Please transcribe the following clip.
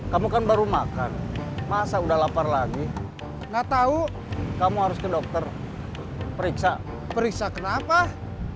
kamu kan baru makan mas przygotah mu kasih coloured fish